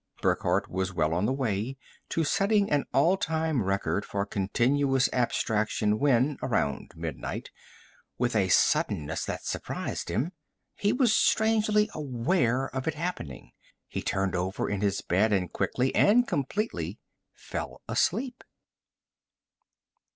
Burckhardt was well on the way to setting an all time record for continuous abstraction when, around midnight, with a suddenness that surprised him he was strangely aware of it happening he turned over in his bed and, quickly and completely, fell asleep.